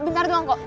bentar doang kok